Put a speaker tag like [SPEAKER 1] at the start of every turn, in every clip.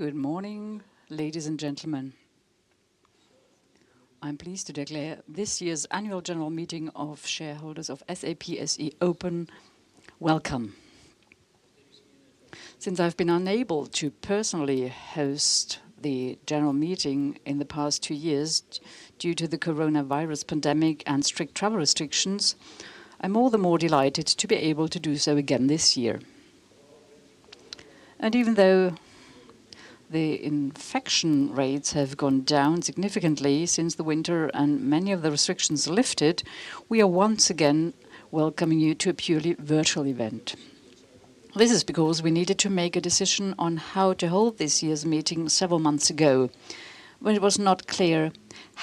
[SPEAKER 1] Good morning, ladies and gentlemen. I'm pleased to declare this year's Annual General Meeting of shareholders of SAP SE open. Welcome. Since I've been unable to personally host the general meeting in the past two years due to the coronavirus pandemic and strict travel restrictions, I'm all the more delighted to be able to do so again this year. And even though the infection rates have gone down significantly since the winter and many of the restrictions lifted, we are once again welcoming you to a purely virtual event. This is because we needed to make a decision on how to hold this year's meeting several months ago, when it was not clear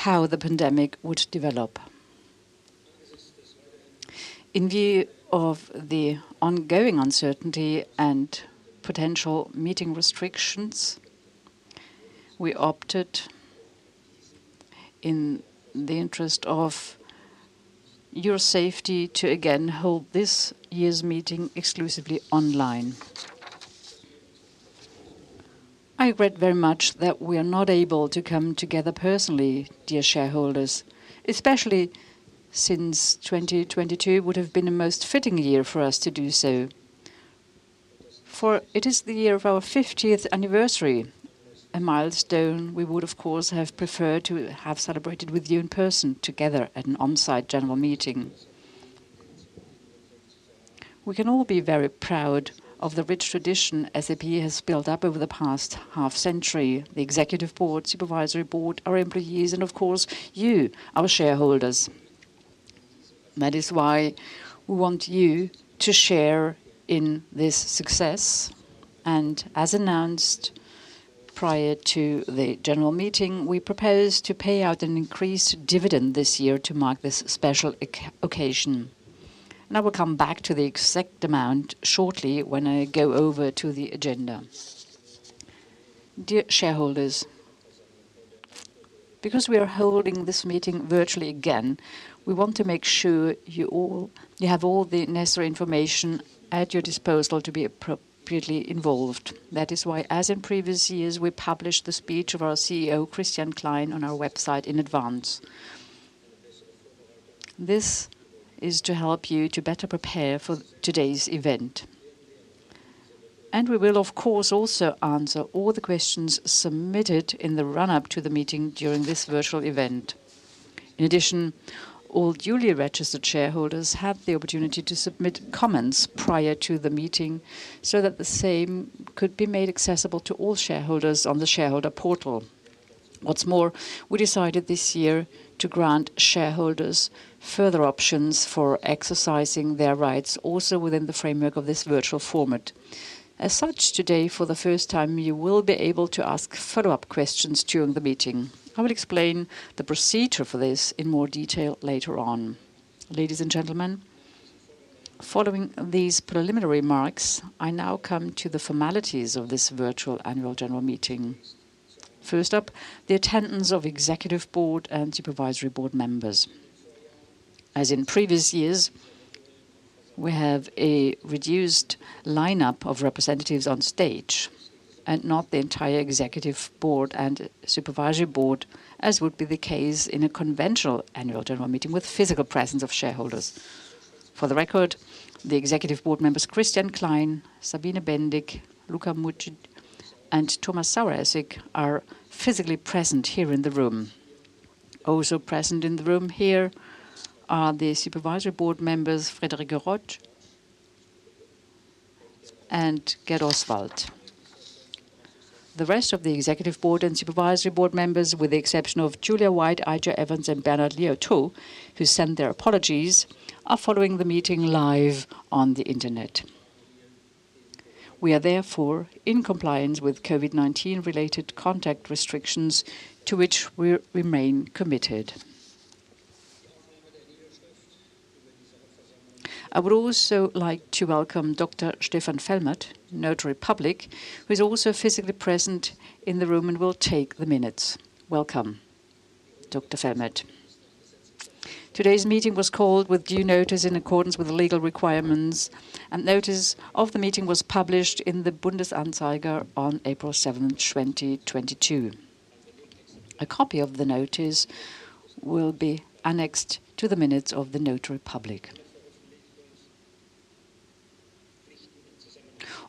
[SPEAKER 1] how the pandemic would develop. In view of the ongoing uncertainty and potential meeting restrictions, we opted, in the interest of your safety, to again hold this year's meeting exclusively online. I regret very much that we are not able to come together personally, dear shareholders, especially since 2022 would have been the most fitting year for us to do so. For it is the year of our 50th anniversary, a milestone we would, of course, have preferred to have celebrated with you in person, together at an on-site general meeting. We can all be very proud of the rich tradition SAP has built up over the past half-century, the Executive Board, Supervisory Board, our employees, and of course you, our shareholders. That is why we want you to share in this success, and as announced prior to the general meeting, we propose to pay out an increased dividend this year to mark this special occasion, and I will come back to the exact amount shortly when I go over to the agenda. Dear shareholders, because we are holding this meeting virtually again, we want to make sure you have all the necessary information at your disposal to be appropriately involved. That is why, as in previous years, we published the speech of our CEO, Christian Klein, on our website in advance. This is to help you to better prepare for today's event. And we will, of course, also answer all the questions submitted in the run-up to the meeting during this virtual event. In addition, all duly registered shareholders had the opportunity to submit comments prior to the meeting so that the same could be made accessible to all shareholders on the shareholder portal. What's more, we decided this year to grant shareholders further options for exercising their rights also within the framework of this virtual format. As such, today, for the first time, you will be able to ask follow-up questions during the meeting. I will explain the procedure for this in more detail later on. Ladies and gentlemen, following these preliminary remarks, I now come to the formalities of this virtual annual general meeting. First up, the attendance of executive board and supervisory board members. As in previous years, we have a reduced lineup of representatives on stage and not the entire executive board and supervisory board, as would be the case in a conventional annual general meeting with physical presence of shareholders. For the record, the executive board members Christian Klein, Sabine Bendiek, Luka Mucic, and Thomas Saueressig are physically present here in the room. Also present in the room here are the supervisory board members Friederike Rotsch and Gerd Oswald. The rest of the Executive Board and Supervisory Board members, with the exception of Julia White, Aicha Evans, and Bernard Liautaud, who sent their apologies, are following the meeting live on the internet. We are therefore in compliance with COVID-19-related contact restrictions, to which we remain committed. I would also like to welcome Dr. Stefan Fellmeth, Notary Public, who is also physically present in the room and will take the minutes. Welcome, Dr. Fellmeth. Today's meeting was called with due notice in accordance with the legal requirements, and notice of the meeting was published in the Bundesanzeiger on April 7, 2022. A copy of the notice will be annexed to the minutes of the Notary Public.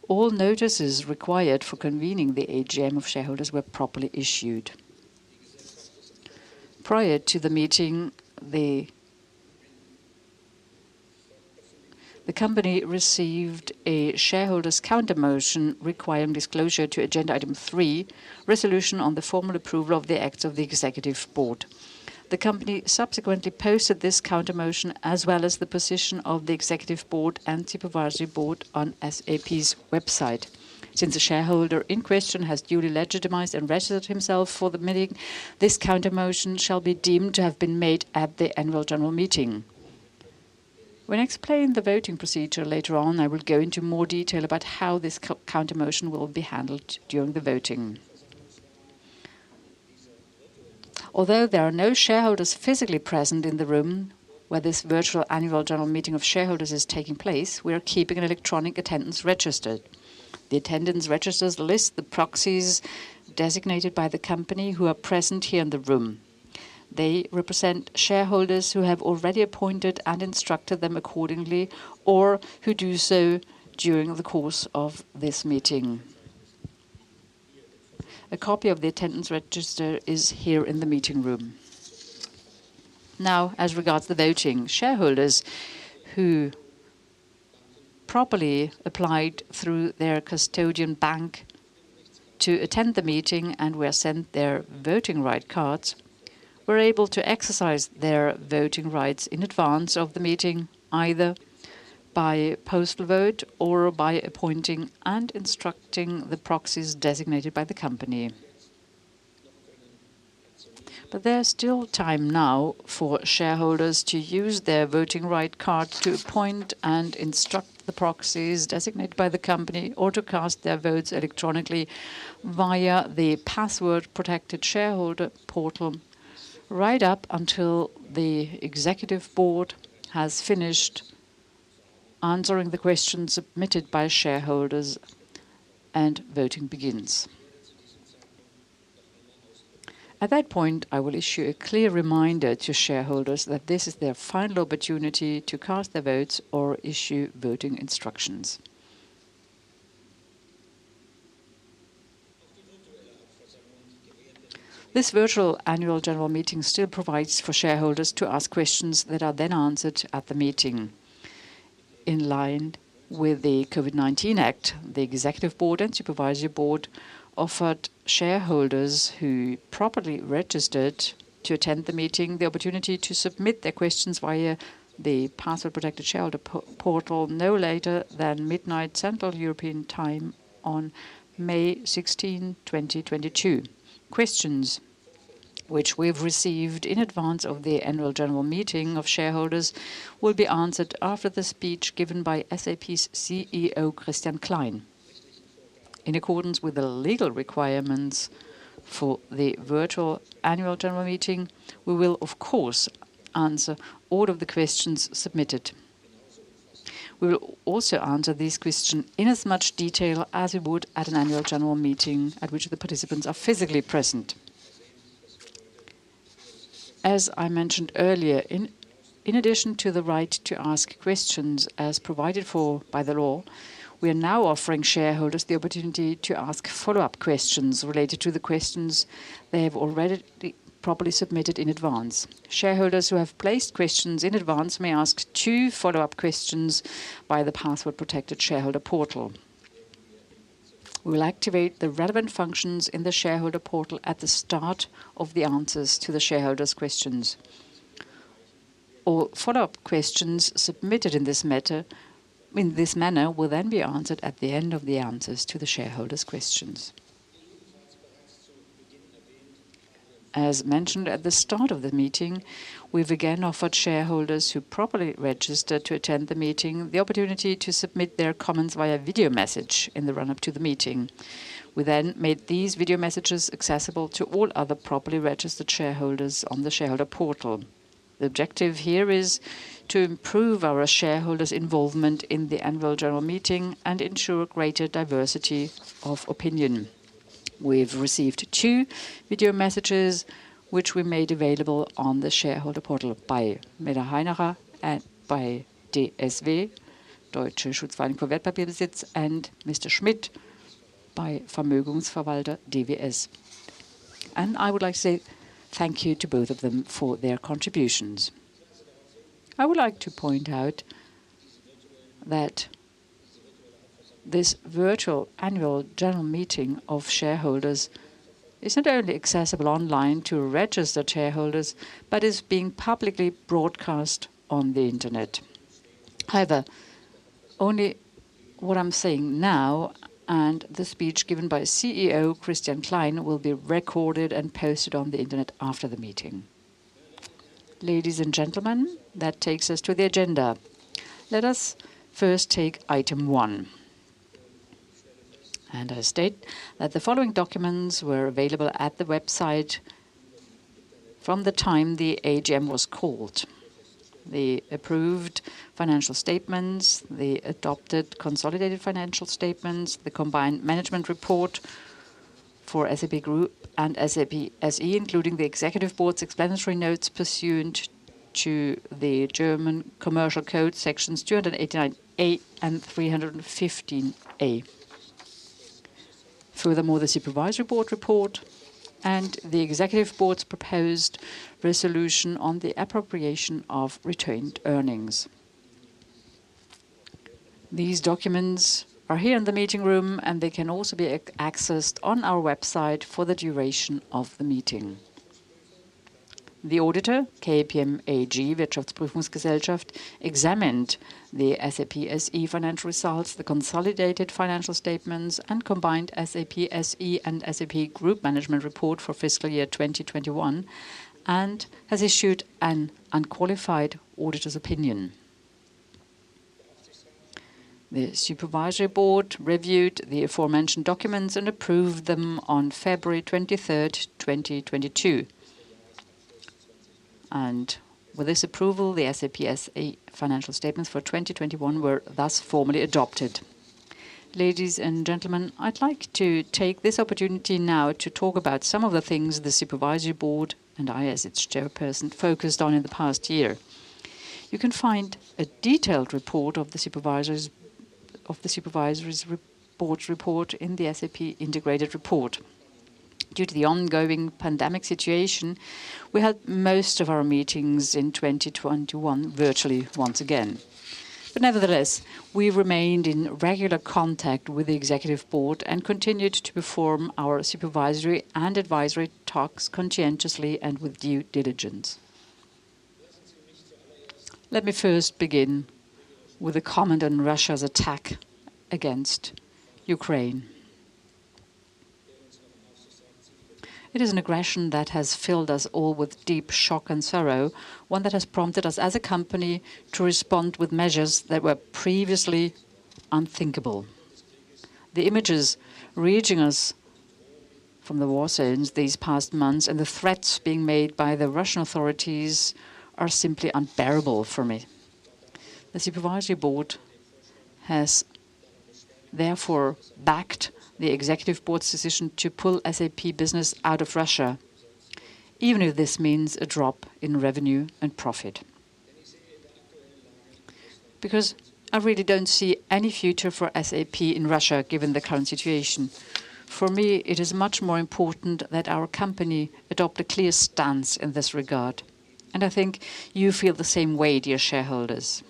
[SPEAKER 1] All notices required for convening the AGM of shareholders were properly issued. Prior to the meeting, the company received a shareholders' counter-motion requiring disclosure to Agenda Item 3, resolution on the formal approval of the acts of the Executive Board. The company subsequently posted this counter-motion as well as the position of the Executive Board and Supervisory Board on SAP's website. Since the shareholder in question has duly legitimized and registered himself for the meeting, this counter-motion shall be deemed to have been made at the Annual General Meeting. When I explain the voting procedure later on, I will go into more detail about how this counter-motion will be handled during the voting. Although there are no shareholders physically present in the room where this virtual Annual General Meeting of shareholders is taking place, we are keeping an electronic attendance register. The attendance registers list the proxies designated by the company who are present here in the room. They represent shareholders who have already appointed and instructed them accordingly, or who do so during the course of this meeting. A copy of the attendance register is here in the meeting room. Now, as regards the voting, shareholders who properly applied through their custodian bank to attend the meeting and were sent their voting rights cards were able to exercise their voting rights in advance of the meeting, either by postal vote or by appointing and instructing the proxies designated by the company. But there's still time now for shareholders to use their voting rights cards to appoint and instruct the proxies designated by the company or to cast their votes electronically via the password-protected shareholder portal right up until the Executive Board has finished answering the questions submitted by shareholders and voting begins. At that point, I will issue a clear reminder to shareholders that this is their final opportunity to cast their votes or issue voting instructions. This virtual Annual General Meeting still provides for shareholders to ask questions that are then answered at the meeting. In line with the COVID-19 Act, the Executive Board and Supervisory Board offered shareholders who properly registered to attend the meeting the opportunity to submit their questions via the password-protected shareholder portal no later than midnight Central European Time on May 16, 2022. Questions, which we've received in advance of the Annual General Meeting of Shareholders, will be answered after the speech given by SAP's CEO, Christian Klein. In accordance with the legal requirements for the virtual Annual General Meeting, we will, of course, answer all of the questions submitted. We will also answer these questions in as much detail as we would at an Annual General Meeting at which the participants are physically present. As I mentioned earlier, in addition to the right to ask questions as provided for by the law, we are now offering shareholders the opportunity to ask follow-up questions related to the questions they have already properly submitted in advance. Shareholders who have placed questions in advance may ask two follow-up questions via the password-protected shareholder portal. We will activate the relevant functions in the shareholder portal at the start of the answers to the shareholders' questions. All follow-up questions submitted in this manner will then be answered at the end of the answers to the shareholders' questions. As mentioned at the start of the meeting, we've again offered shareholders who properly registered to attend the meeting the opportunity to submit their comments via video message in the run-up to the meeting. We then made these video messages accessible to all other properly registered shareholders on the shareholder portal. The objective here is to improve our shareholders' involvement in the annual general meeting and ensure greater diversity of opinion. We've received two video messages, which we made available on the shareholder portal by Ms. Benner-Heinacher and by DSW, Deutsche Schutzvereinigung für Wertpapierbesitz, and Mr. Schmidt by Vermögensverwalter DWS. I would like to say thank you to both of them for their contributions. I would like to point out that this virtual annual general meeting of shareholders is not only accessible online to registered shareholders, but is being publicly broadcast on the internet. However, only what I'm saying now and the speech given by CEO Christian Klein will be recorded and posted on the internet after the meeting. Ladies and gentlemen, that takes us to the agenda. Let us first take item one, and I state that the following documents were available at the website from the time the AGM was called: the approved financial statements, the adopted consolidated financial statements, the combined management report for SAP Group and SAP SE, including the Executive Board's explanatory notes pursuant to the German Commercial Code sections 289A and 315A. Furthermore, the Supervisory Board report and the Executive Board's proposed resolution on the appropriation of retained earnings. These documents are here in the meeting room, and they can also be accessed on our website for the duration of the meeting. The auditor, KPMG AG Wirtschaftsprüfungsgesellschaft, examined the SAP SE financial results, the consolidated financial statements, and combined SAP SE and SAP Group management report for fiscal year 2021, and has issued an unqualified auditor's opinion. The Supervisory Board reviewed the aforementioned documents and approved them on February 23, 2022, and with this approval, the SAP SE financial statements for 2021 were thus formally adopted. Ladies and gentlemen, I'd like to take this opportunity now to talk about some of the things the Supervisory Board and I, as its chairperson, focused on in the past year. You can find a detailed report of the Supervisory Board's report in the SAP Integrated Report. Due to the ongoing pandemic situation, we had most of our meetings in 2021 virtually once again. But nevertheless, we remained in regular contact with the Executive Board and continued to perform our supervisory and advisory tasks conscientiously and with due diligence. Let me first begin with a comment on Russia's attack against Ukraine. It is an aggression that has filled us all with deep shock and sorrow, one that has prompted us as a company to respond with measures that were previously unthinkable. The images reaching us from the war zones these past months and the threats being made by the Russian authorities are simply unbearable for me. The Supervisory Board has therefore backed the Executive Board's decision to pull SAP business out of Russia, even if this means a drop in revenue and profit. Because I really don't see any future for SAP in Russia given the current situation. For me, it is much more important that our company adopt a clear stance in this regard. And I think you feel the same way, dear shareholders.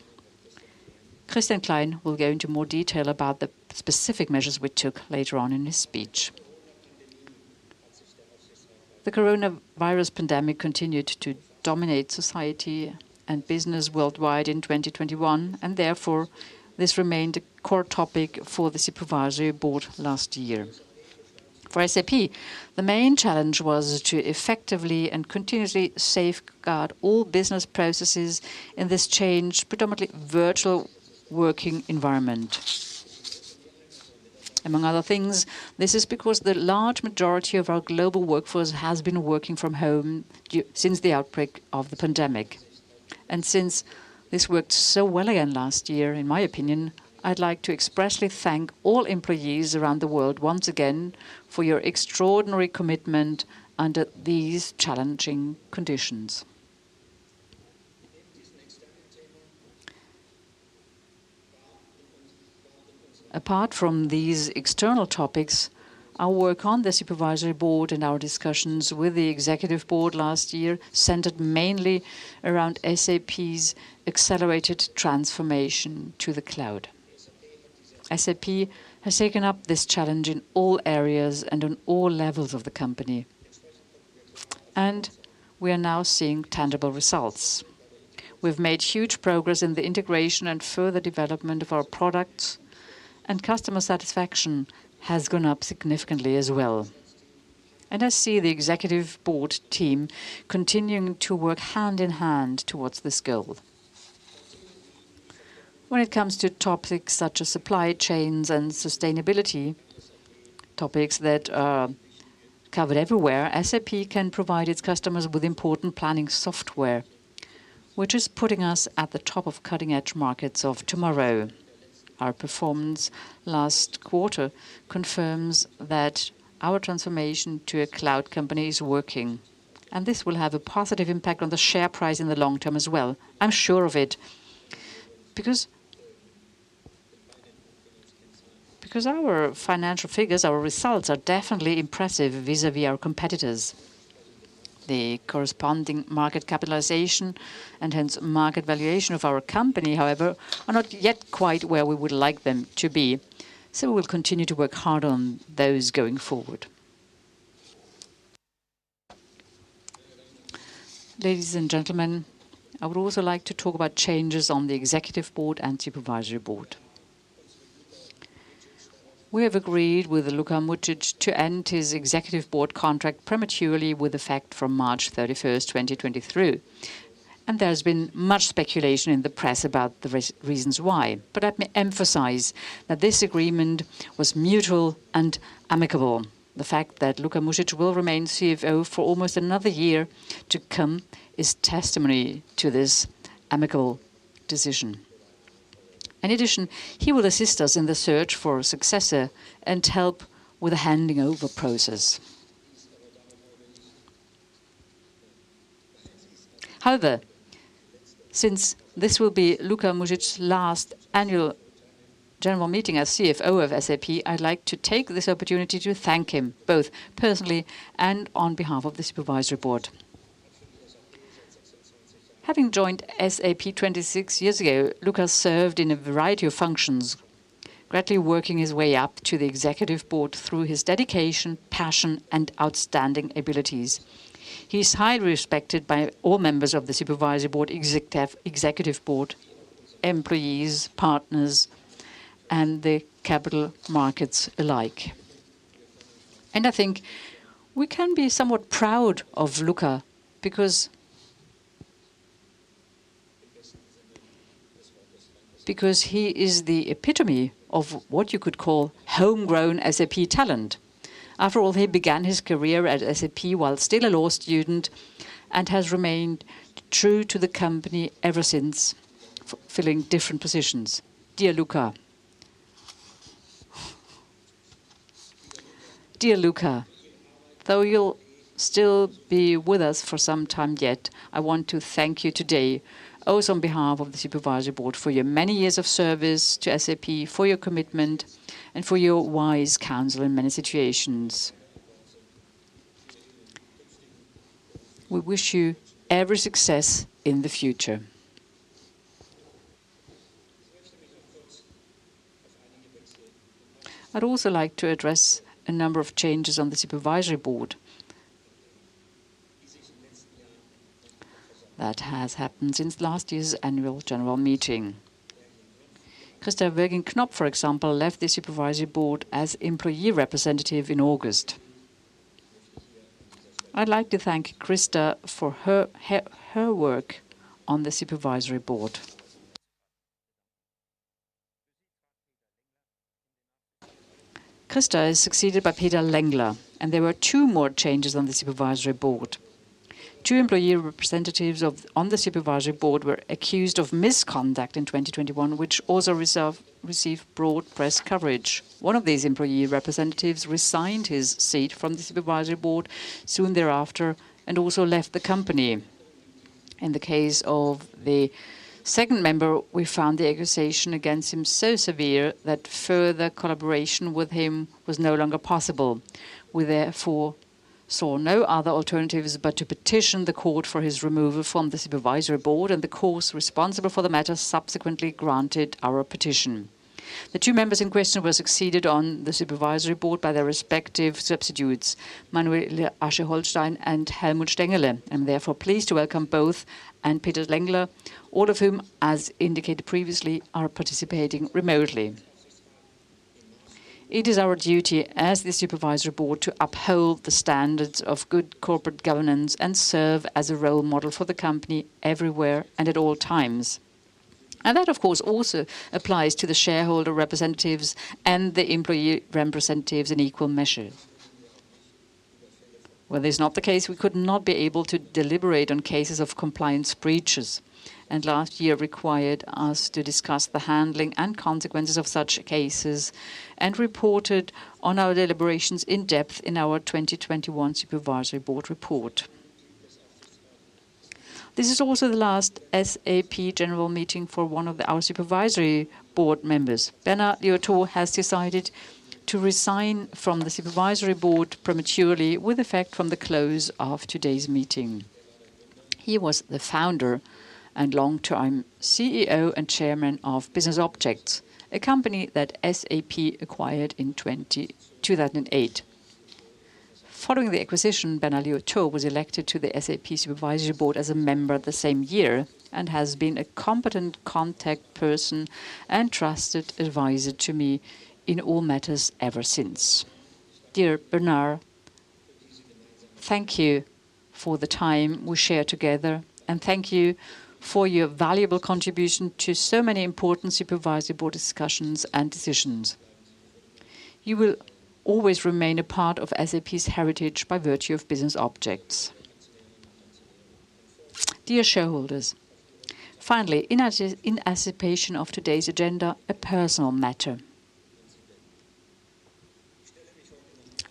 [SPEAKER 1] Christian Klein will go into more detail about the specific measures we took later on in his speech. The coronavirus pandemic continued to dominate society and business worldwide in 2021, and therefore this remained a core topic for the Supervisory Board last year. For SAP, the main challenge was to effectively and continuously safeguard all business processes in this change, predominantly virtual working environment. Among other things, this is because the large majority of our global workforce has been working from home since the outbreak of the pandemic. And since this worked so well again last year, in my opinion, I'd like to expressly thank all employees around the world once again for your extraordinary commitment under these challenging conditions. Apart from these external topics, our work on the Supervisory Board and our discussions with the Executive Board last year centered mainly around SAP's accelerated transformation to the cloud. SAP has taken up this challenge in all areas and on all levels of the company. And we are now seeing tangible results. We've made huge progress in the integration and further development of our products, and customer satisfaction has gone up significantly as well. And I see the Executive Board team continuing to work hand in hand towards this goal. When it comes to topics such as supply chains and sustainability, topics that are covered everywhere, SAP can provide its customers with important planning software, which is putting us at the top of cutting-edge markets of tomorrow. Our performance last quarter confirms that our transformation to a cloud company is working. And this will have a positive impact on the share price in the long term as well. I'm sure of it. Because our financial figures, our results are definitely impressive vis-à-vis our competitors. The corresponding market capitalization and hence market valuation of our company, however, are not yet quite where we would like them to be. So we will continue to work hard on those going forward. Ladies and gentlemen, I would also like to talk about changes on the Executive Board and Supervisory Board. We have agreed with Luka Mucic to end his Executive Board contract prematurely with effect from March 31, 2023. And there has been much speculation in the press about the reasons why. But let me emphasize that this agreement was mutual and amicable. The fact that Luka Mucic will remain CFO for almost another year to come is testimony to this amicable decision. In addition, he will assist us in the search for a successor and help with the handing over process. However, since this will be Luka Mucic's last annual general meeting as CFO of SAP, I'd like to take this opportunity to thank him both personally and on behalf of the supervisory board. Having joined SAP 26 years ago, Luka served in a variety of functions, gradually working his way up to the executive board through his dedication, passion, and outstanding abilities. He is highly respected by all members of the supervisory board, executive board, employees, partners, and the capital markets alike, and I think we can be somewhat proud of Luka because he is the epitome of what you could call homegrown SAP talent. After all, he began his career at SAP while still a law student and has remained true to the company ever since filling different positions. Dear Luka, dear Luka, though you'll still be with us for some time yet, I want to thank you today, also on behalf of the Supervisory Board, for your many years of service to SAP, for your commitment, and for your wise counsel in many situations. We wish you every success in the future. I'd also like to address a number of changes on the Supervisory Board that have happened since last year's Annual General Meeting. Christa Koenen, for example, left the Supervisory Board as employee representative in August. I'd like to thank Christa for her work on the Supervisory Board. Christa is succeeded by Peter Lengler, and there were two more changes on the Supervisory Board. Two employee representatives on the Supervisory Board were accused of misconduct in 2021, which also received broad press coverage. One of these employee representatives resigned his seat from the Supervisory Board soon thereafter and also left the company. In the case of the second member, we found the accusation against him so severe that further collaboration with him was no longer possible. We therefore saw no other alternatives but to petition the court for his removal from the Supervisory Board, and the courts responsible for the matter subsequently granted our petition. The two members in question were succeeded on the Supervisory Board by their respective substitutes, Manuela Aschauer-Holstein and Helmut Stengele. I'm therefore pleased to welcome both and Peter Lengler, all of whom, as indicated previously, are participating remotely. It is our duty as the Supervisory Board to uphold the standards of good corporate governance and serve as a role model for the company everywhere and at all times. And that, of course, also applies to the shareholder representatives and the employee representatives in equal measure. Where this is not the case, we could not be able to deliberate on cases of compliance breaches, and last year required us to discuss the handling and consequences of such cases and reported on our deliberations in depth in our 2021 Supervisory Board report. This is also the last SAP general meeting for one of our Supervisory Board members. Bernard Liautaud has decided to resign from the Supervisory Board prematurely with effect from the close of today's meeting. He was the founder and long-time CEO and chairman of Business Objects, a company that SAP acquired in 2008. Following the acquisition, Bernard Liautaud was elected to the SAP Supervisory Board as a member the same year and has been a competent contact person and trusted advisor to me in all matters ever since. Dear Bernard, thank you for the time we share together, and thank you for your valuable contribution to so many important Supervisory Board discussions and decisions. You will always remain a part of SAP's heritage by virtue of Business Objects. Dear shareholders, finally, in anticipation of today's agenda, a personal matter.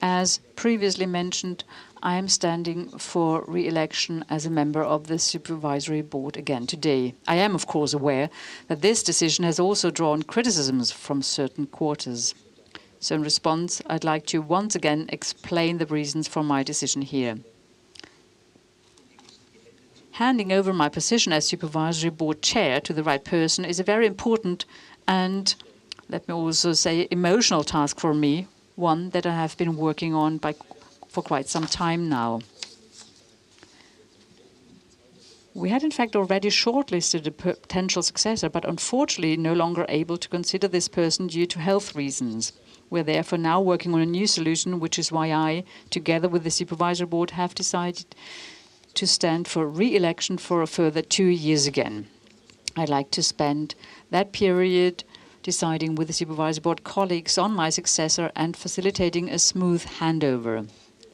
[SPEAKER 1] As previously mentioned, I am standing for re-election as a member of the Supervisory Board again today. I am, of course, aware that this decision has also drawn criticisms from certain quarters. So in response, I'd like to once again explain the reasons for my decision here. Handing over my position as Supervisory Board Chair to the right person is a very important and, let me also say, emotional task for me, one that I have been working on for quite some time now. We had, in fact, already shortlisted a potential successor, but unfortunately, no longer able to consider this person due to health reasons. We are therefore now working on a new solution, which is why I, together with the Supervisory Board, have decided to stand for re-election for a further two years again. I'd like to spend that period deciding with the Supervisory Board colleagues on my successor and facilitating a smooth handover.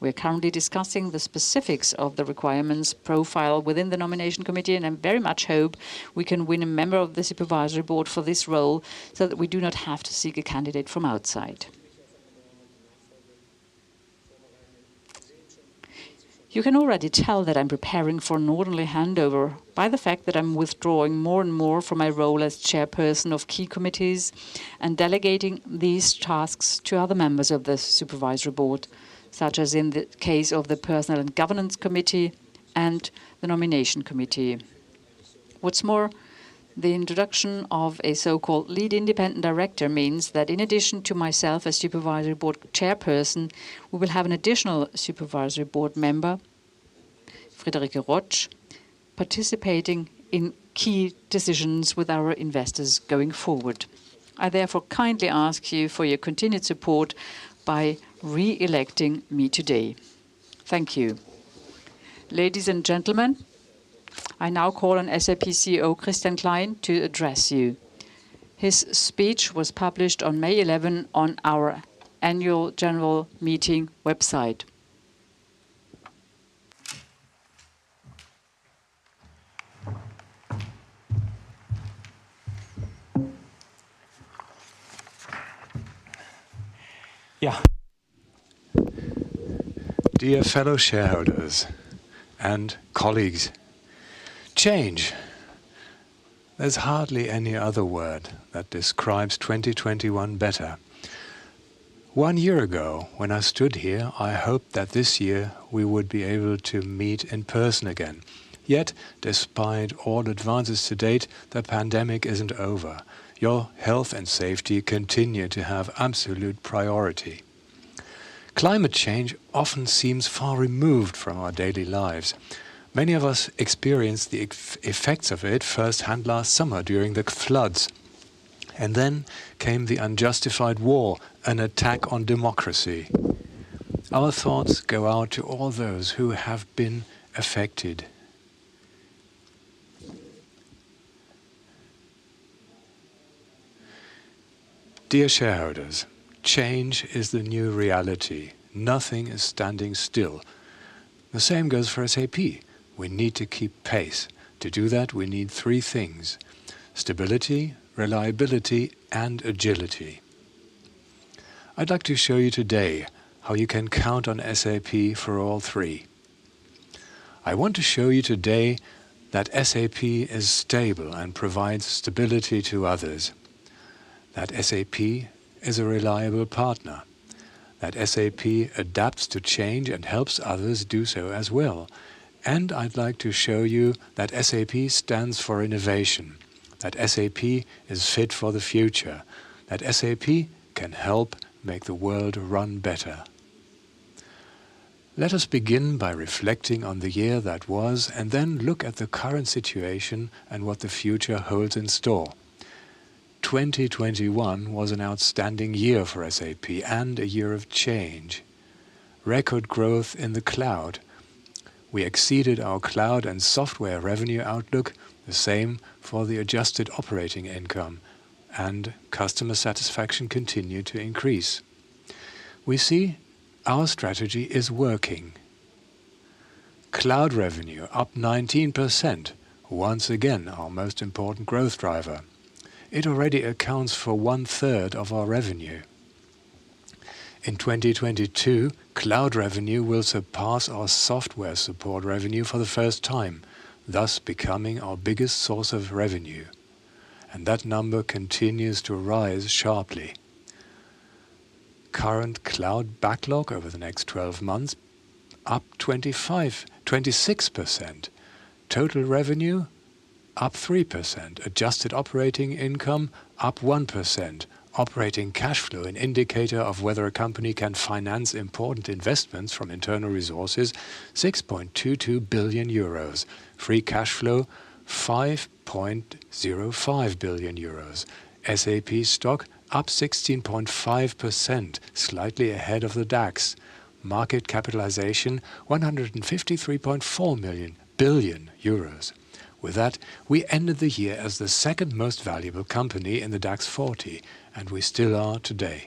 [SPEAKER 1] We are currently discussing the specifics of the requirements profile within the nomination committee, and I very much hope we can win a member of the Supervisory Board for this role so that we do not have to seek a candidate from outside. You can already tell that I'm preparing for an orderly handover by the fact that I'm withdrawing more and more from my role as chairperson of key committees and delegating these tasks to other members of the Supervisory Board, such as in the case of the personnel and governance committee and the nomination committee. What's more, the introduction of a so-called Lead Independent Director means that in addition to myself as Supervisory Board chairperson, we will have an additional Supervisory Board member, Friederike Rotsch, participating in key decisions with our investors going forward. I therefore kindly ask you for your continued support by re-electing me today. Thank you. Ladies and gentlemen, I now call on SAP CEO Christian Klein to address you. His speech was published on May 11 on our Annual General Meeting website.
[SPEAKER 2] Yeah. Dear fellow shareholders and colleagues, change. There's hardly any other word that describes 2021 better. One year ago, when I stood here, I hoped that this year we would be able to meet in person again. Yet, despite all advances to date, the pandemic isn't over. Your health and safety continue to have absolute priority. Climate change often seems far removed from our daily lives. Many of us experienced the effects of it firsthand last summer during the floods. And then came the unjustified war, an attack on democracy. Our thoughts go out to all those who have been affected. Dear shareholders, change is the new reality. Nothing is standing still. The same goes for SAP. We need to keep pace. To do that, we need three things: stability, reliability, and agility. I'd like to show you today how you can count on SAP for all three. I want to show you today that SAP is stable and provides stability to others, that SAP is a reliable partner, that SAP adapts to change and helps others do so as well, and I'd like to show you that SAP stands for innovation, that SAP is fit for the future, that SAP can help make the world run better. Let us begin by reflecting on the year that was and then look at the current situation and what the future holds in store. 2021 was an outstanding year for SAP and a year of change. Record growth in the cloud. We exceeded our cloud and software revenue outlook, the same for the adjusted operating income, and customer satisfaction continued to increase. We see our strategy is working. Cloud revenue up 19%, once again our most important growth driver. It already accounts for 1/3 of our revenue. In 2022, cloud revenue will surpass our software support revenue for the first time, thus becoming our biggest source of revenue, and that number continues to rise sharply. Current cloud backlog over the next 12 months up 25%-26%. Total revenue up 3%. Adjusted operating income up 1%. Operating cash flow, an indicator of whether a company can finance important investments from internal resources, 6.22 billion euros. Free cash flow 5.05 billion euros. SAP stock up 16.5%, slightly ahead of the DAX. Market capitalization 153.4 billion euros. With that, we ended the year as the second most valuable company in the DAX 40, and we still are today.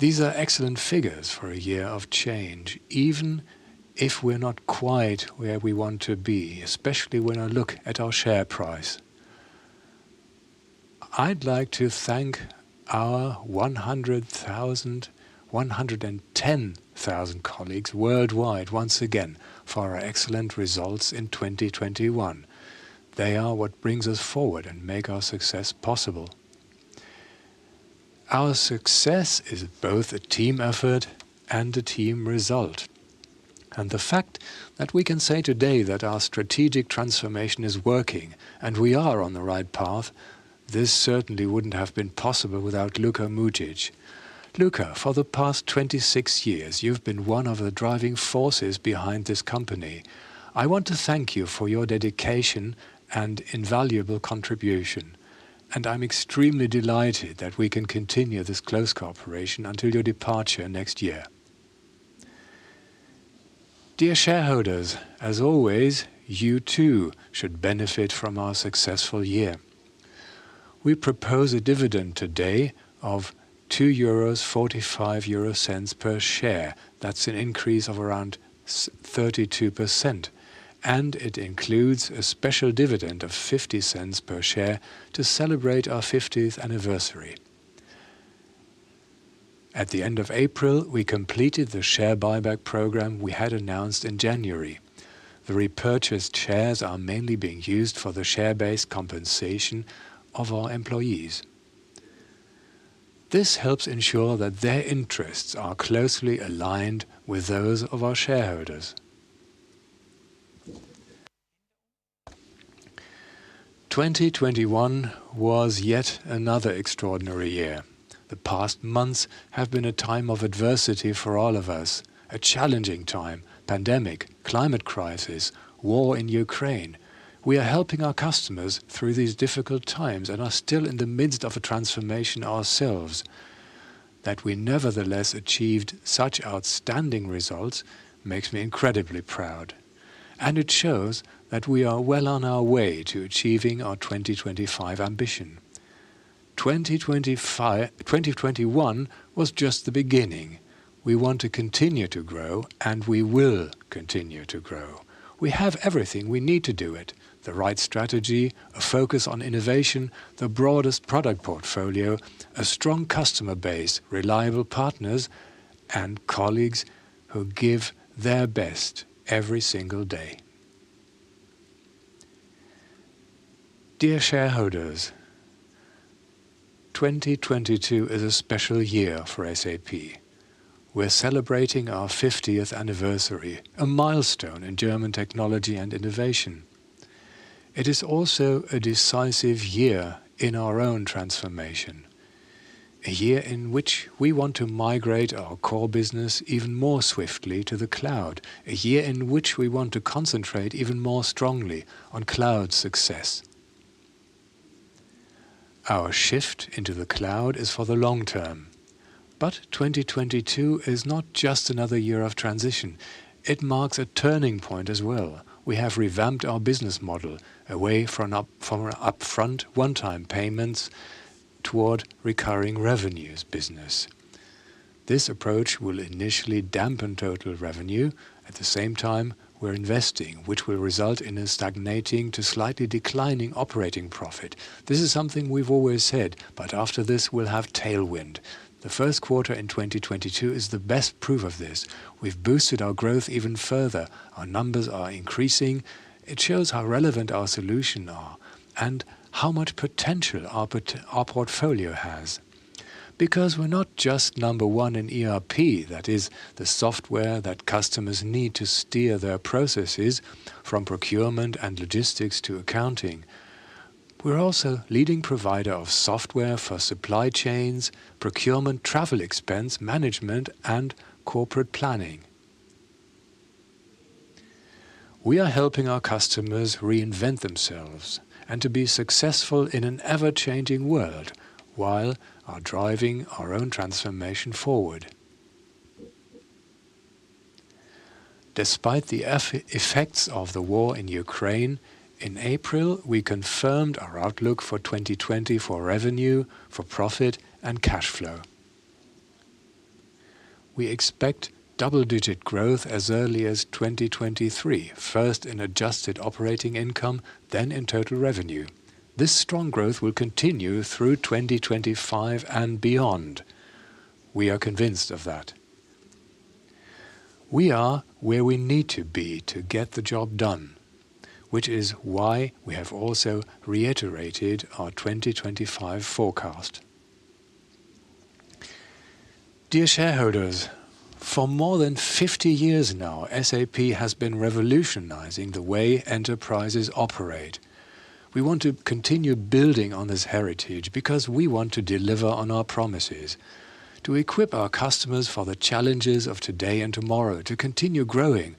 [SPEAKER 2] These are excellent figures for a year of change, even if we're not quite where we want to be, especially when I look at our share price. I'd like to thank our 100,000, 110,000 colleagues worldwide once again for our excellent results in 2021. They are what brings us forward and makes our success possible. Our success is both a team effort and a team result. And the fact that we can say today that our strategic transformation is working and we are on the right path, this certainly wouldn't have been possible without Luka Mucic. Luka, for the past 26 years, you've been one of the driving forces behind this company. I want to thank you for your dedication and invaluable contribution. And I'm extremely delighted that we can continue this close cooperation until your departure next year. Dear shareholders, as always, you too should benefit from our successful year. We propose a dividend today of 2.45 euros per share. That's an increase of around 32%. It includes a special dividend of 0.50 per share to celebrate our 50th anniversary. At the end of April, we completed the share buyback program we had announced in January. The repurchased shares are mainly being used for the share-based compensation of our employees. This helps ensure that their interests are closely aligned with those of our shareholders. 2021 was yet another extraordinary year. The past months have been a time of adversity for all of us, a challenging time: pandemic, climate crisis, war in Ukraine. We are helping our customers through these difficult times and are still in the midst of a transformation ourselves. That we nevertheless achieved such outstanding results makes me incredibly proud. And it shows that we are well on our way to achieving our 2025 ambition. 2021 was just the beginning. We want to continue to grow, and we will continue to grow. We have everything we need to do it: the right strategy, a focus on innovation, the broadest product portfolio, a strong customer base, reliable partners, and colleagues who give their best every single day. Dear shareholders, 2022 is a special year for SAP. We're celebrating our 50th anniversary, a milestone in German technology and innovation. It is also a decisive year in our own transformation, a year in which we want to migrate our core business even more swiftly to the cloud, a year in which we want to concentrate even more strongly on cloud success. Our shift into the cloud is for the long term. But 2022 is not just another year of transition. It marks a turning point as well. We have revamped our business model away from upfront one-time payments toward recurring revenues business. This approach will initially dampen total revenue. At the same time, we're investing, which will result in a stagnating to slightly declining operating profit. This is something we've always said, but after this, we'll have tailwind. The first quarter in 2022 is the best proof of this. We've boosted our growth even further. Our numbers are increasing. It shows how relevant our solutions are and how much potential our portfolio has. Because we're not just number one in ERP, that is, the software that customers need to steer their processes from procurement and logistics to accounting. We're also a leading provider of software for supply chains, procurement, travel expense management, and corporate planning. We are helping our customers reinvent themselves and to be successful in an ever-changing world while driving our own transformation forward. Despite the effects of the war in Ukraine, in April, we confirmed our outlook for 2022 for revenue, for profit, and cash flow. We expect double-digit growth as early as 2023, first in adjusted operating income, then in total revenue. This strong growth will continue through 2025 and beyond. We are convinced of that. We are where we need to be to get the job done, which is why we have also reiterated our 2025 forecast. Dear shareholders, for more than 50 years now, SAP has been revolutionizing the way enterprises operate. We want to continue building on this heritage because we want to deliver on our promises, to equip our customers for the challenges of today and tomorrow, to continue growing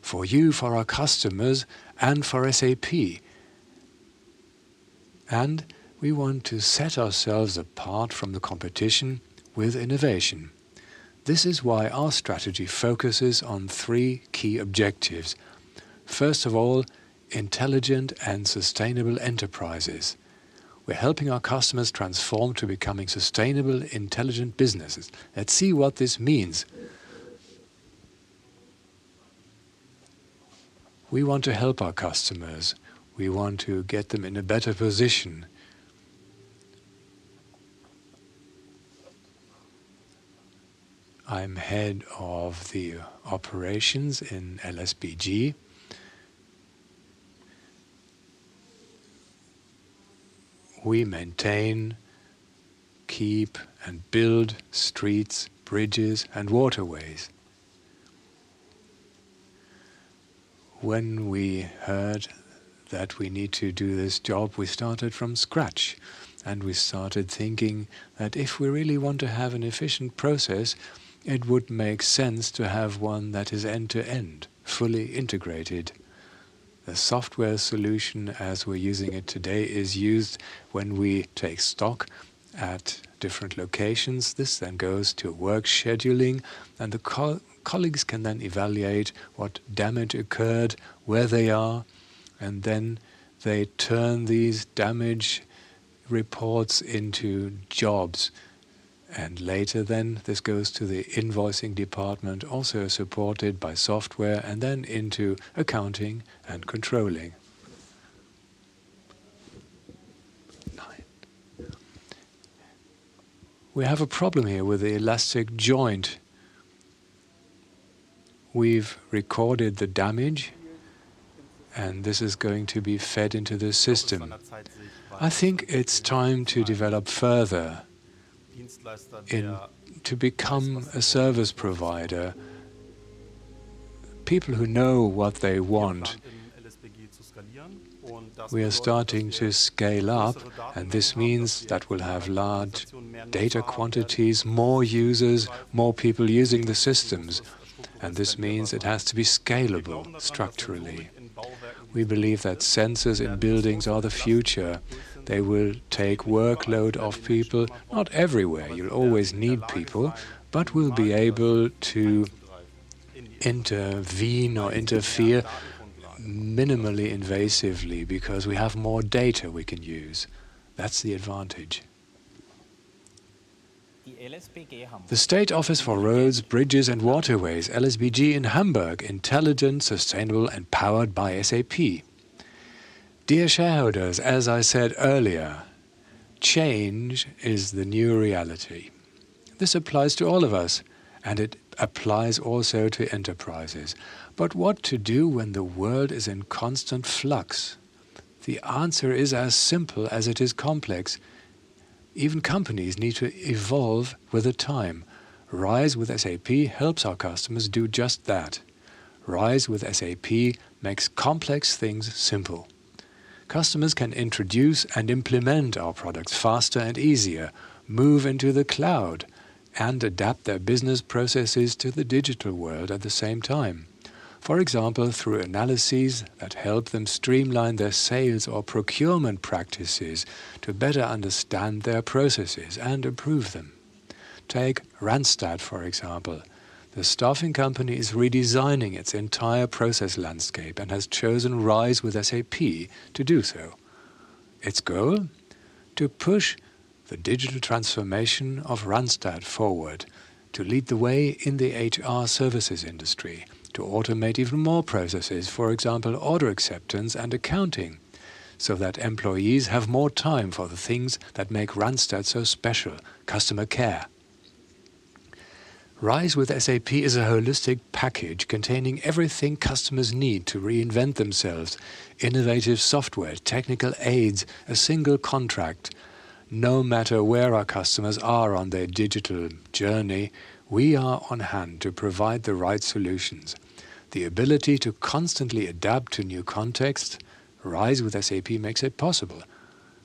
[SPEAKER 2] for you, for our customers, and for SAP. And we want to set ourselves apart from the competition with innovation. This is why our strategy focuses on three key objectives. First of all, intelligent and sustainable enterprises. We're helping our customers transform to becoming sustainable, intelligent businesses. Let's see what this means. We want to help our customers. We want to get them in a better position. I'm head of the operations in LSBG. We maintain, keep, and build streets, bridges, and waterways. When we heard that we need to do this job, we started from scratch and we started thinking that if we really want to have an efficient process, it would make sense to have one that is end-to-end, fully integrated. The software solution, as we're using it today, is used when we take stock at different locations. This then goes to work scheduling, and the colleagues can then evaluate what damage occurred, where they are, and then they turn these damage reports into jobs. Later then, this goes to the invoicing department, also supported by software, and then into accounting and controlling. We have a problem here with the elastic joint. We've recorded the damage, and this is going to be fed into the system. I think it's time to develop further and to become a service provider, people who know what they want. We are starting to scale up, and this means that we'll have large data quantities, more users, more people using the systems, and this means it has to be scalable structurally. We believe that sensors in buildings are the future. They will take workload off people. Not everywhere. You'll always need people, but we'll be able to intervene or interfere minimally invasively because we have more data we can use. That's the advantage. The State Office for Roads, Bridges, and Waterways, LSBG in Hamburg, intelligent, sustainable, and powered by SAP. Dear shareholders, as I said earlier, change is the new reality. This applies to all of us, and it applies also to enterprises. But what to do when the world is in constant flux? The answer is as simple as it is complex. Even companies need to evolve with the time. RISE with SAP helps our customers do just that. RISE with SAP makes complex things simple. Customers can introduce and implement our products faster and easier, move into the cloud, and adapt their business processes to the digital world at the same time. For example, through analyses that help them streamline their sales or procurement practices to better understand their processes and improve them. Take Randstad, for example. The staffing company is redesigning its entire process landscape and has chosen RISE with SAP to do so. Its goal? To push the digital transformation of Randstad forward, to lead the way in the HR services industry, to automate even more processes, for example, order acceptance and accounting, so that employees have more time for the things that make Randstad so special: customer care. RISE with SAP is a holistic package containing everything customers need to reinvent themselves: innovative software, technical aids, a single contract. No matter where our customers are on their digital journey, we are on hand to provide the right solutions. The ability to constantly adapt to new contexts, RISE with SAP makes it possible.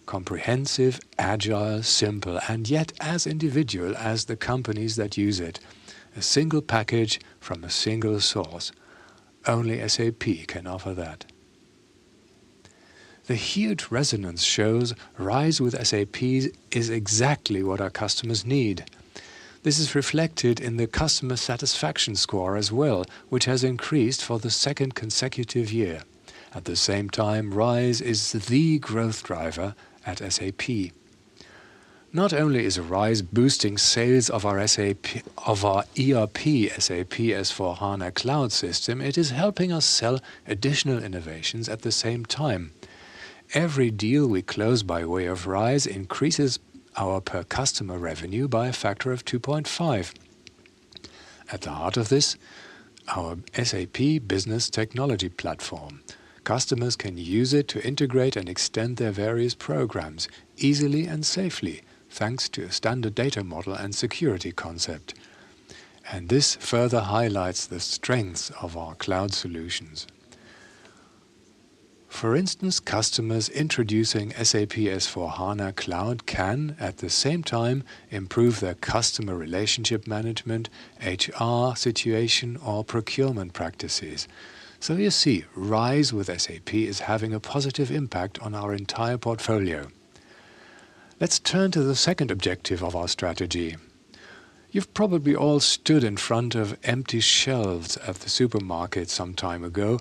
[SPEAKER 2] Comprehensive, agile, simple, and yet as individual as the companies that use it. A single package from a single source. Only SAP can offer that. The huge resonance shows RISE with SAP is exactly what our customers need. This is reflected in the customer satisfaction score as well, which has increased for the second consecutive year. At the same time, RISE is the growth driver at SAP. Not only is RISE boosting sales of our ERP SAP S/4HANA Cloud system, it is helping us sell additional innovations at the same time. Every deal we close by way of RISE increases our per-customer revenue by a factor of 2.5. At the heart of this, our SAP Business Technology Platform. Customers can use it to integrate and extend their various programs easily and safely, thanks to a standard data model and security concept. And this further highlights the strengths of our cloud solutions. For instance, customers introducing SAP S/4HANA Cloud can at the same time improve their customer relationship management, HR situation, or procurement practices. So you see, RISE with SAP is having a positive impact on our entire portfolio. Let's turn to the second objective of our strategy. You've probably all stood in front of empty shelves at the supermarket some time ago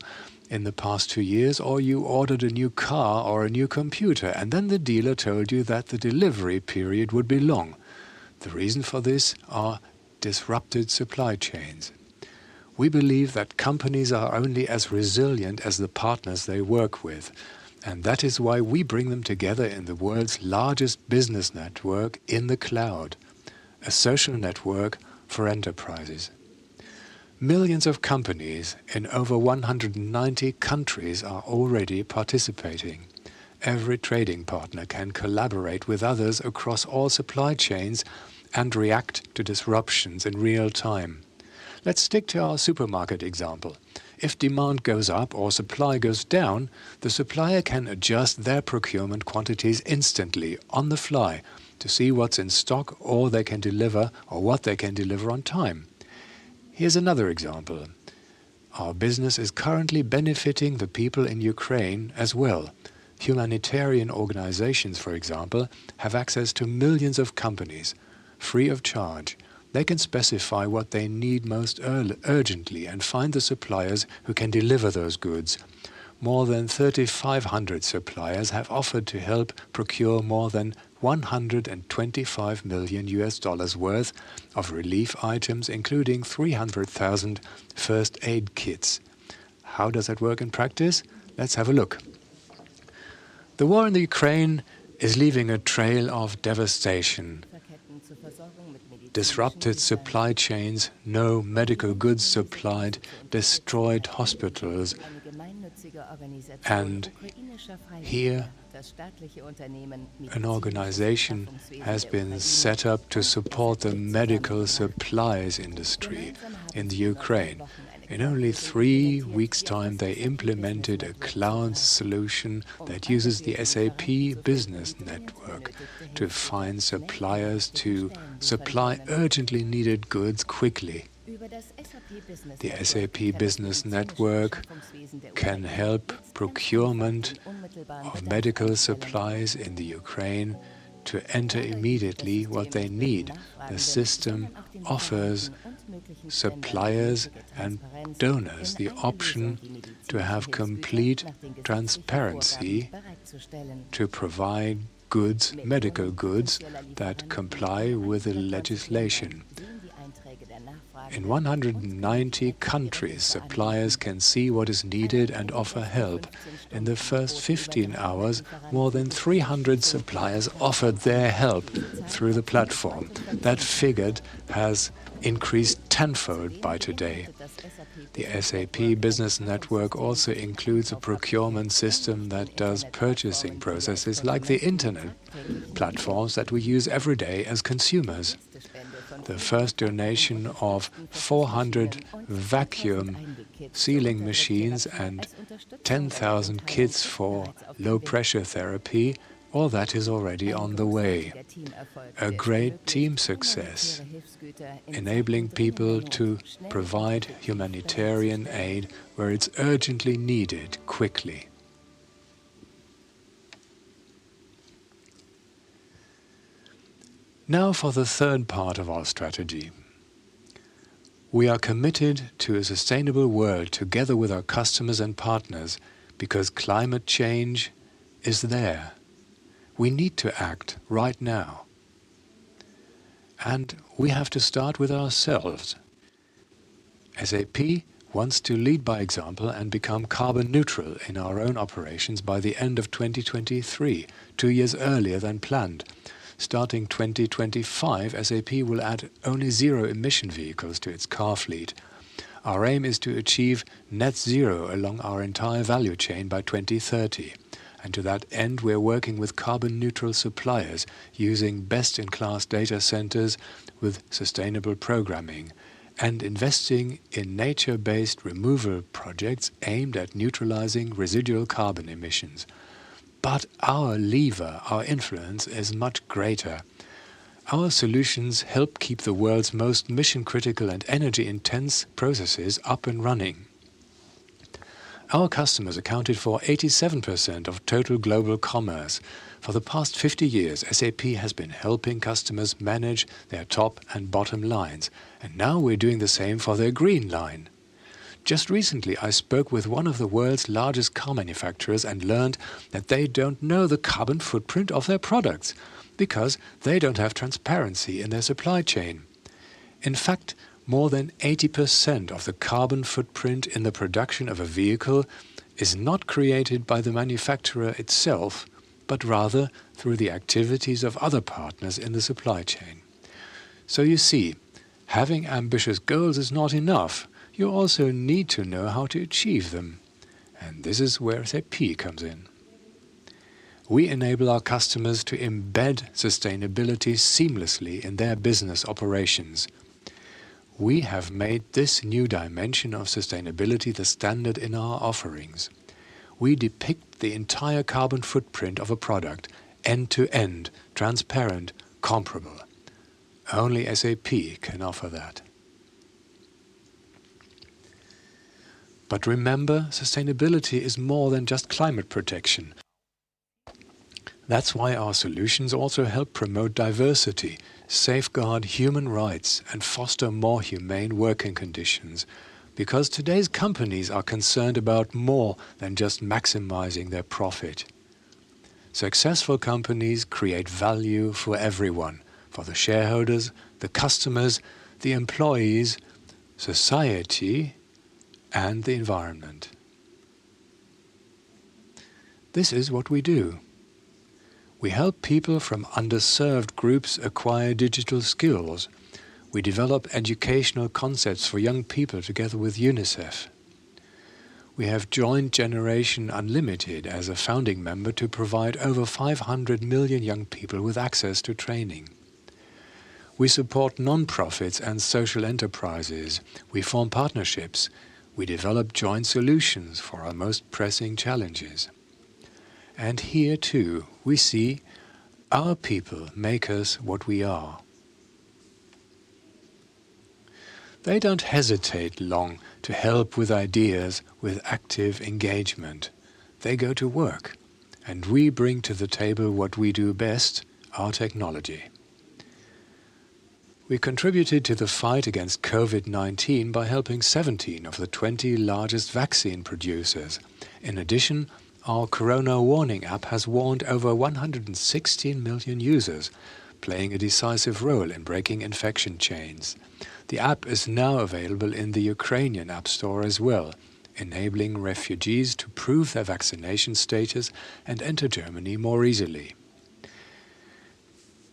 [SPEAKER 2] in the past two years, or you ordered a new car or a new computer, and then the dealer told you that the delivery period would be long. The reason for this is disrupted supply chains. We believe that companies are only as resilient as the partners they work with. And that is why we bring them together in the world's largest business network in the cloud, a social network for enterprises. Millions of companies in over 190 countries are already participating. Every trading partner can collaborate with others across all supply chains and react to disruptions in real time. Let's stick to our supermarket example. If demand goes up or supply goes down, the supplier can adjust their procurement quantities instantly on the fly to see what's in stock or they can deliver or what they can deliver on time. Here's another example. Our business is currently benefiting the people in Ukraine as well. Humanitarian organizations, for example, have access to millions of companies free of charge. They can specify what they need most urgently and find the suppliers who can deliver those goods. More than 3,500 suppliers have offered to help procure more than $125 million worth of relief items, including 300,000 first aid kits. How does that work in practice? Let's have a look. The war in Ukraine is leaving a trail of devastation. Disrupted supply chains, no medical goods supplied, destroyed hospitals, and here, an organization has been set up to support the medical supplies industry in Ukraine. In only three weeks' time, they implemented a cloud solution that uses the SAP Business Network to find suppliers to supply urgently needed goods quickly. The SAP Business Network can help procurement of medical supplies in Ukraine to enter immediately what they need. The system offers suppliers and donors the option to have complete transparency to provide goods, medical goods that comply with the legislation. In 190 countries, suppliers can see what is needed and offer help. In the first 15 hours, more than 300 suppliers offered their help through the platform. That figure has increased tenfold by today. The SAP Business Network also includes a procurement system that does purchasing processes like the internet platforms that we use every day as consumers. The first donation of 400 vacuum sealing machines and 10,000 kits for low-pressure therapy, all that is already on the way. A great team success, enabling people to provide humanitarian aid where it's urgently needed quickly. Now for the third part of our strategy. We are committed to a sustainable world together with our customers and partners because climate change is there. We need to act right now, and we have to start with ourselves. SAP wants to lead by example and become carbon neutral in our own operations by the end of 2023, two years earlier than planned. Starting 2025, SAP will add only zero emission vehicles to its car fleet. Our aim is to achieve net zero along our entire value chain by 2030, and to that end, we're working with carbon neutral suppliers using best-in-class data centers with sustainable programming and investing in nature-based removal projects aimed at neutralizing residual carbon emissions, but our lever, our influence is much greater. Our solutions help keep the world's most mission-critical and energy-intense processes up and running. Our customers accounted for 87% of total global commerce. For the past 50 years, SAP has been helping customers manage their top and bottom lines, and now we're doing the same for their green line. Just recently, I spoke with one of the world's largest car manufacturers and learned that they don't know the carbon footprint of their products because they don't have transparency in their supply chain. In fact, more than 80% of the carbon footprint in the production of a vehicle is not created by the manufacturer itself, but rather through the activities of other partners in the supply chain, so you see, having ambitious goals is not enough. You also need to know how to achieve them, and this is where SAP comes in. We enable our customers to embed sustainability seamlessly in their business operations. We have made this new dimension of sustainability the standard in our offerings. We depict the entire carbon footprint of a product end-to-end, transparent, comparable. Only SAP can offer that. But remember, sustainability is more than just climate protection. That's why our solutions also help promote diversity, safeguard human rights, and foster more humane working conditions. Because today's companies are concerned about more than just maximizing their profit. Successful companies create value for everyone, for the shareholders, the customers, the employees, society, and the environment. This is what we do. We help people from underserved groups acquire digital skills. We develop educational concepts for young people together with UNICEF. We have joined Generation Unlimited as a founding member to provide over 500 million young people with access to training. We support nonprofits and social enterprises. We form partnerships. We develop joint solutions for our most pressing challenges, and here too, we see our people make us what we are. They don't hesitate long to help with ideas with active engagement. They go to work, and we bring to the table what we do best, our technology. We contributed to the fight against COVID-19 by helping 17 of the 20 largest vaccine producers. In addition, our Corona-Warn-App has warned over 116 million users, playing a decisive role in breaking infection chains. The app is now available in the Ukrainian app store as well, enabling refugees to prove their vaccination status and enter Germany more easily.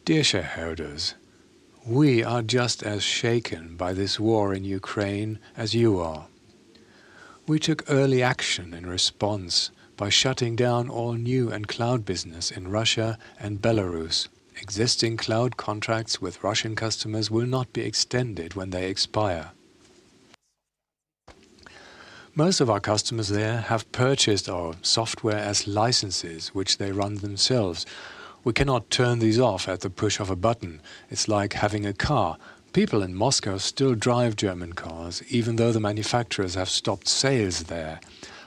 [SPEAKER 2] Dear shareholders, we are just as shaken by this war in Ukraine as you are. We took early action in response by shutting down all new and cloud business in Russia and Belarus. Existing cloud contracts with Russian customers will not be extended when they expire. Most of our customers there have purchased our software as licenses, which they run themselves. We cannot turn these off at the push of a button. It's like having a car. People in Moscow still drive German cars, even though the manufacturers have stopped sales there.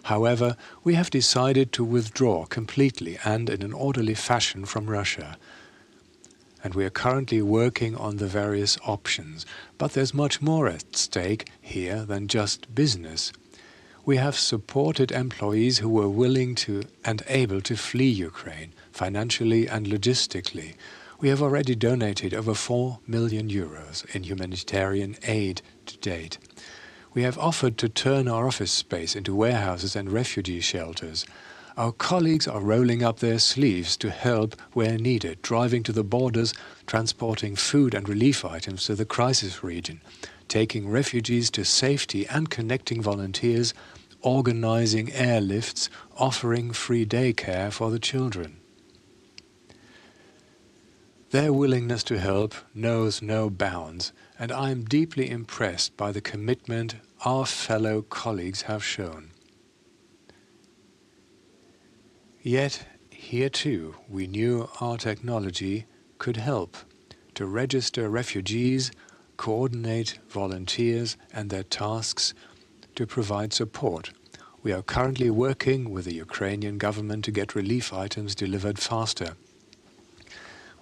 [SPEAKER 2] However, we have decided to withdraw completely and in an orderly fashion from Russia. We are currently working on the various options. There's much more at stake here than just business. We have supported employees who were willing to and able to flee Ukraine financially and logistically. We have already donated over 4 million euros in humanitarian aid to date. We have offered to turn our office space into warehouses and refugee shelters. Our colleagues are rolling up their sleeves to help where needed, driving to the borders, transporting food and relief items to the crisis region, taking refugees to safety and connecting volunteers, organizing airlifts, offering free daycare for the children. Their willingness to help knows no bounds, and I'm deeply impressed by the commitment our fellow colleagues have shown. Yet here too, we knew our technology could help to register refugees, coordinate volunteers, and their tasks to provide support. We are currently working with the Ukrainian government to get relief items delivered faster.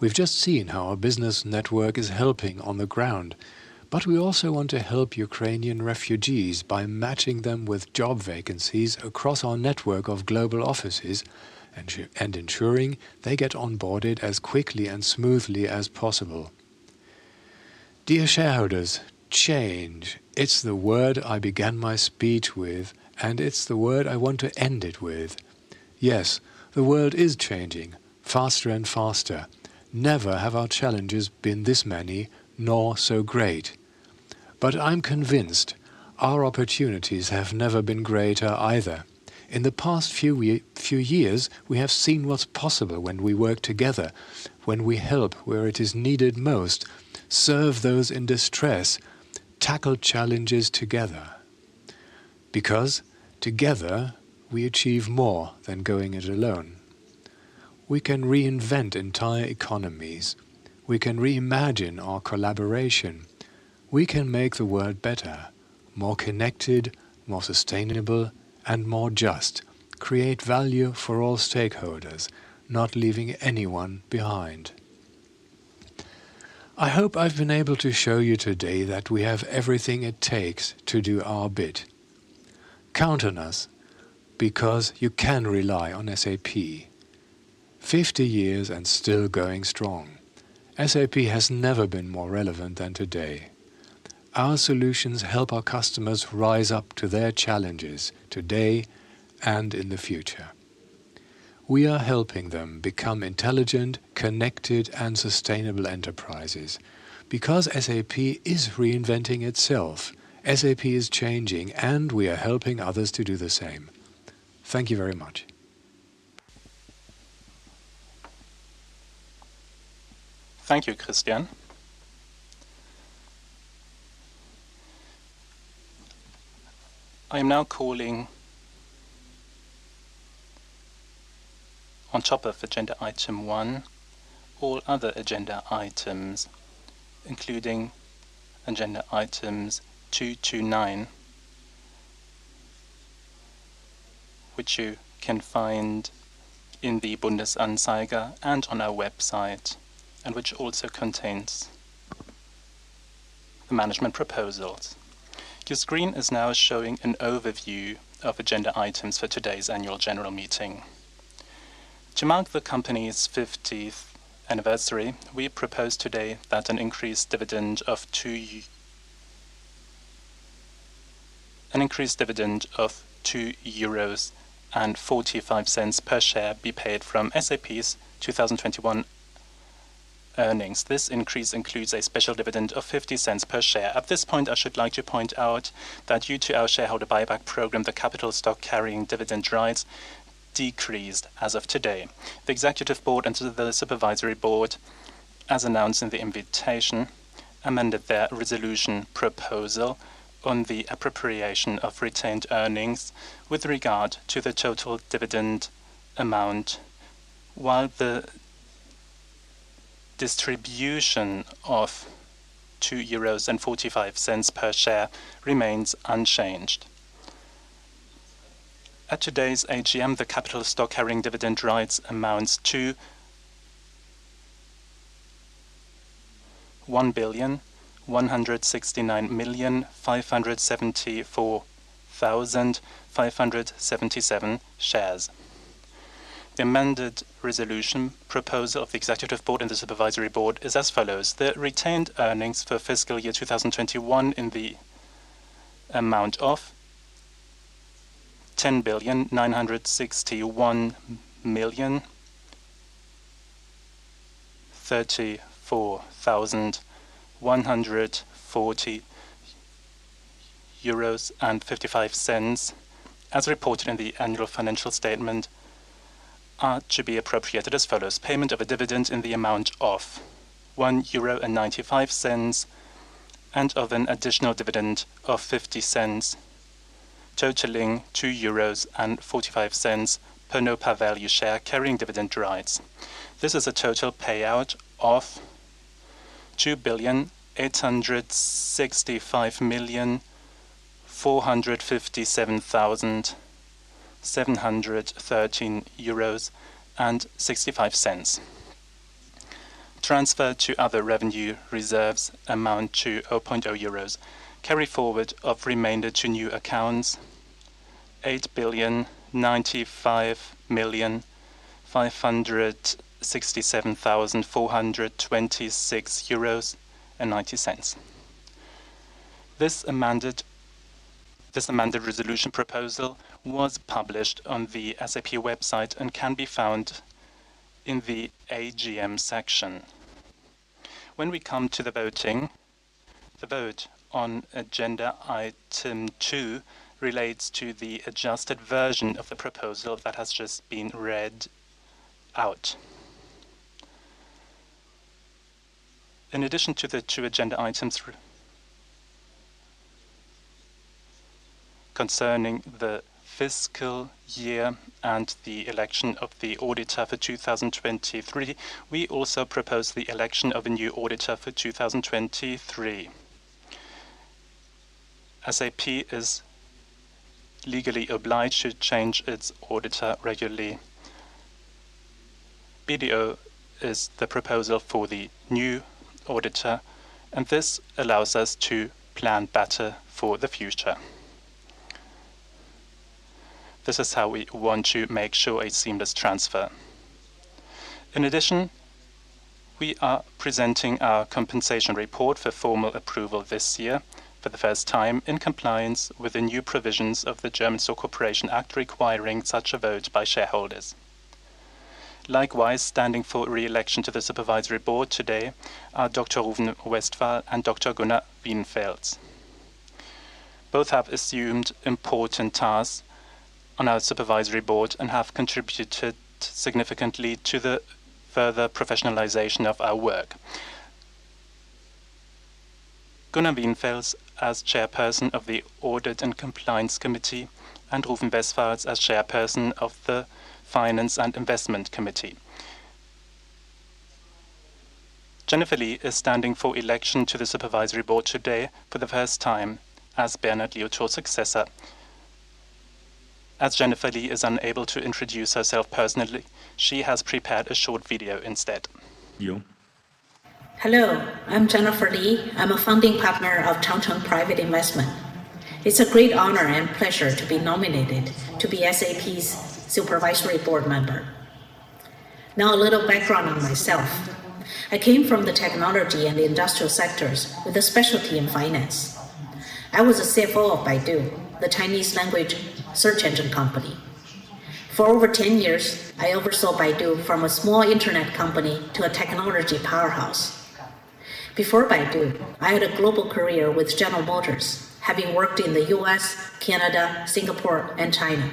[SPEAKER 2] We've just seen how our business network is helping on the ground. But we also want to help Ukrainian refugees by matching them with job vacancies across our network of global offices and ensuring they get onboarded as quickly and smoothly as possible. Dear shareholders, change, it's the word I began my speech with, and it's the word I want to end it with. Yes, the world is changing faster and faster. Never have our challenges been this many, nor so great. But I'm convinced our opportunities have never been greater either. In the past few years, we have seen what's possible when we work together, when we help where it is needed most, serve those in distress, tackle challenges together. Because together, we achieve more than going it alone. We can reinvent entire economies. We can reimagine our collaboration. We can make the world better, more connected, more sustainable, and more just, create value for all stakeholders, not leaving anyone behind. I hope I've been able to show you today that we have everything it takes to do our bit. Count on us because you can rely on SAP. 50 years and still going strong. SAP has never been more relevant than today. Our solutions help our customers rise up to their challenges today and in the future. We are helping them become intelligent, connected, and sustainable enterprises. Because SAP is reinventing itself, SAP is changing, and we are helping others to do the same. Thank you very much. Thank you, Christian. I am now calling on top of agenda item one, all other agenda items, including agenda items 2 to 9, which you can find in the Bundesanzeiger and on our website, and which also contains the management proposals. Your screen is now showing an overview of agenda items for today's annual general meeting. To mark the company's 50th anniversary, we propose today that an increased dividend of 2.45 euros per share be paid from SAP's 2021 earnings. This increase includes a special dividend of 0.50 per share. At this point, I should like to point out that due to our shareholder buyback program, the capital stock carrying dividend rights decreased as of today. The Executive Board and the Supervisory Board, as announced in the invitation, amended their resolution proposal on the appropriation of retained earnings with regard to the total dividend amount, while the distribution of 2.45 euros per share remains unchanged. At today's AGM, the capital stock carrying dividend rights amounts to 1,169,574,577 shares. The amended resolution proposal of the Executive Board and the Supervisory Board is as follows. The retained earnings for fiscal year 2021 in the amount of EUR 10,961,034,140.55, as reported in the annual financial statement, are to be appropriated as follows. Payment of a dividend in the amount of 1.95 euro and of an additional dividend of 0.50, totaling 2.45 euros per no-par-value share carrying dividend rights. This is a total payout of EUR 2,865,457,713.65. Transfer to other revenue reserves amount to 0.00 euros. Carry forward of remainder to new accounts, 8,095,567,426.90 euros. This amended resolution proposal was published on the SAP website and can be found in the AGM section. When we come to the voting, the vote on agenda item two relates to the adjusted version of the proposal that has just been read out. In addition to the two agenda items concerning the fiscal year and the election of the auditor for 2023, we also propose the election of a new auditor for 2023. SAP is legally obliged to change its auditor regularly. BDO is the proposal for the new auditor, and this allows us to plan better for the future. This is how we want to make sure a seamless transfer. In addition, we are presenting our compensation report for formal approval this year for the first time in compliance with the new provisions of ARUG II requiring such a vote by shareholders. Likewise, standing for re-election to the Supervisory Board today are Dr. Rouven Westphal and Dr. Gunnar Wiedenfels. Both have assumed important tasks on our Supervisory Board and have contributed significantly to the further professionalization of our work. Gunnar Wiedenfels as chairperson of the Audit and Compliance Committee and Rouven Westphal as chairperson of the Finance and Investment Committee. Jennifer Li is standing for election to the Supervisory Board today for the first time as Bernard Liautaud's successor. As Jennifer Li is unable to introduce herself personally, she has prepared a short video instead.
[SPEAKER 3] Hello, I'm Jennifer Li. I'm a founding partner of Changcheng Investment Partners. It's a great honor and pleasure to be nominated to be SAP's Supervisory Board member. Now a little background on myself. I came from the technology and industrial sectors with a specialty in finance. I was a CFO of Baidu, the Chinese language search engine company. For over 10 years, I oversaw Baidu from a small internet company to a technology powerhouse. Before Baidu, I had a global career with General Motors, having worked in the U.S., Canada, Singapore, and China.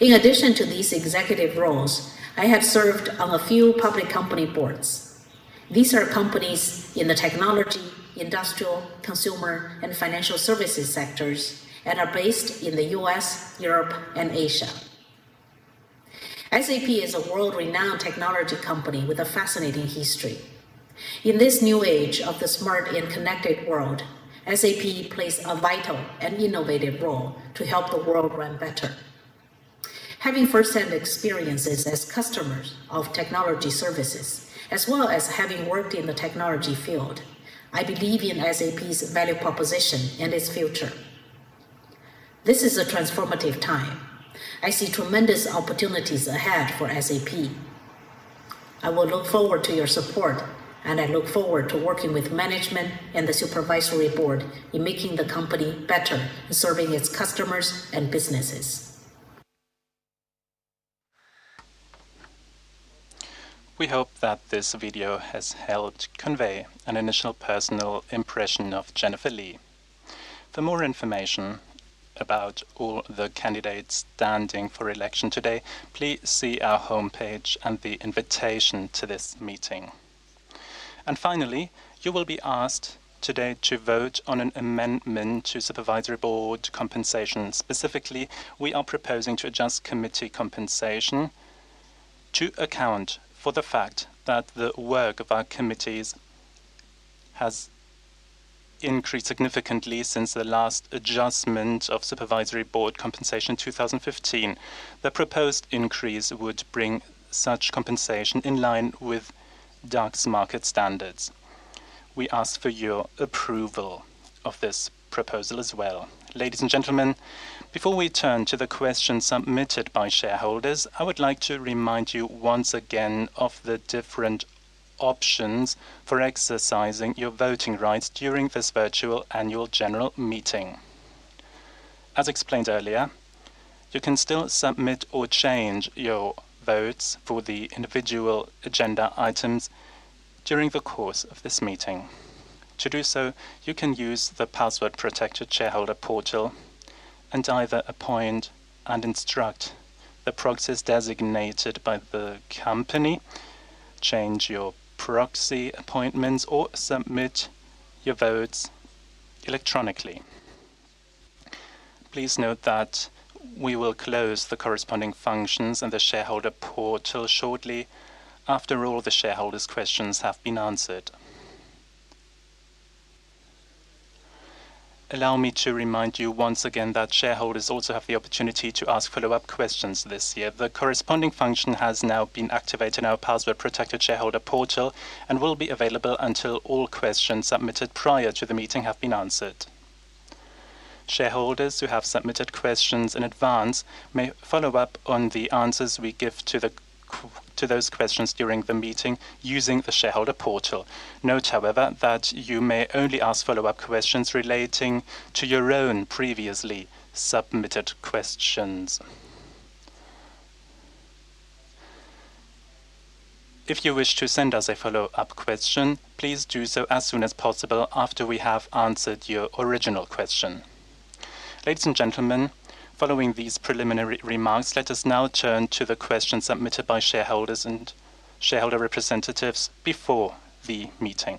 [SPEAKER 3] In addition to these executive roles, I have served on a few public company boards. These are companies in the technology, industrial, consumer, and financial services sectors and are based in the U.S., Europe, and Asia. SAP is a world-renowned technology company with a fascinating history. In this new age of the smart and connected world, SAP plays a vital and innovative role to help the world run better. Having first-hand experiences as customers of technology services, as well as having worked in the technology field, I believe in SAP's value proposition and its future. This is a transformative time. I see tremendous opportunities ahead for SAP. I will look forward to your support, and I look forward to working with management and the Supervisory Board in making the company better and serving its customers and businesses. We hope that this video has helped convey an initial personal impression of Jennifer Li. For more information about all the candidates standing for election today, please see our homepage and the invitation to this meeting. Finally, you will be asked today to vote on an amendment to Supervisory Board compensation. Specifically, we are proposing to adjust committee compensation to account for the fact that the work of our committees has increased significantly since the last adjustment of Supervisory Board compensation in 2015. The proposed increase would bring such compensation in line with DAX market standards. We ask for your approval of this proposal as well. Ladies and gentlemen, before we turn to the questions submitted by shareholders, I would like to remind you once again of the different options for exercising your voting rights during this virtual Annual General Meeting. As explained earlier, you can still submit or change your votes for the individual agenda items during the course of this meeting. To do so, you can use the password-protected shareholder portal and either appoint and instruct the proxies designated by the company, change your proxy appointments, or submit your votes electronically. Please note that we will close the corresponding functions and the shareholder portal shortly after all the shareholders' questions have been answered. Allow me to remind you once again that shareholders also have the opportunity to ask follow-up questions this year. The corresponding function has now been activated in our password-protected shareholder portal and will be available until all questions submitted prior to the meeting have been answered. Shareholders who have submitted questions in advance may follow up on the answers we give to those questions during the meeting using the shareholder portal. Note, however, that you may only ask follow-up questions relating to your own previously submitted questions. If you wish to send us a follow-up question, please do so as soon as possible after we have answered your original question. Ladies and gentlemen, following these preliminary remarks, let us now turn to the questions submitted by shareholders and shareholder representatives before the meeting.